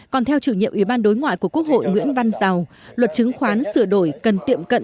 còn theo chủ nhiệm ủy ban đối ngoại của quốc hội nguyễn văn giàu luật chứng khoán sửa đổi cần tiệm cận